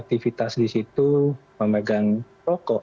aktivitas di situ memegang rokok